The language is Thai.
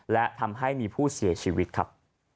และทำให้มีผู้เสียชีวิตครับ